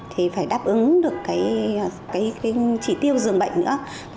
thì phải đáp ứng được cái chỉ tiêu giường bệnh nữa